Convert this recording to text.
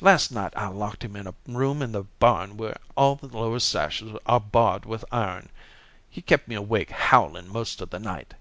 Last night I locked him in a room in the barn where all the lower sashes are barred with iron. He kept me awake howling most of the night.